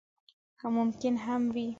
که ممکن هم وي.